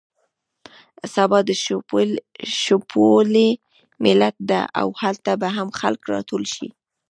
سبا ته د شپولې مېله ده او هلته به هم خلک راټول شي.